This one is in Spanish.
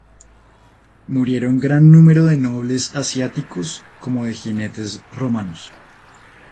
Murieron gran número de nobles asiáticos como de jinetes romanos.